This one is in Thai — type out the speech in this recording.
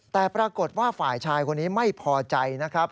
แต่ปรากฏว่าฝ่ายชายคนนี้ไม่พอใจนะครับ